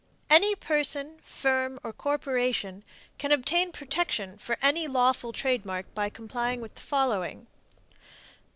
Any person, firm or corporation can obtain protection for any lawful trademark by complying with the following: 1.